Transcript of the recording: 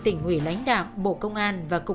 tỉnh hủy lãnh đạo bộ công an và cục